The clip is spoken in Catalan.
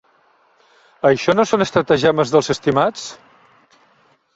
Això no són estratagemes dels estimats?